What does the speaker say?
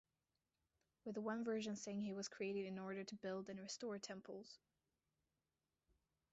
With one version saying he was created in order to build and restore temples.